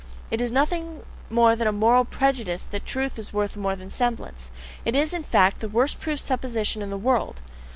It is nothing more than a moral prejudice that truth is worth more than semblance; it is, in fact, the worst proved supposition in the world.